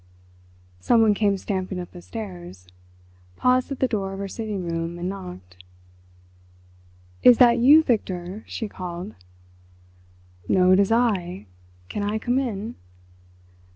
Someone came stamping up the stairs—paused at the door of her sitting room, and knocked. "Is that you, Victor?" she called. "No, it is I... can I come in?"